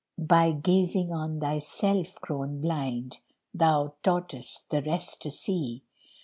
By gazing on thyself grown blind, Thou taught'st the rest to see.